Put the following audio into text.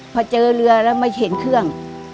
พอเจอเรือแล้วมาเห็นเครื่อง